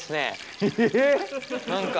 何か。